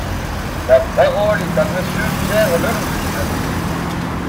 La parole est à Monsieur Pierre Lellouche.